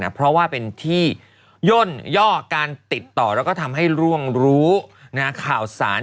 เพราะว่าเป็นที่ย่นย่อการติดต่อแล้วก็ทำให้ร่วงรู้ข่าวสาร